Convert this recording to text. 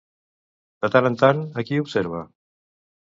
De tant en tant, a qui observa?